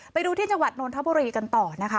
ไปดูที่จังหวัดนนทบุรีกันต่อนะคะ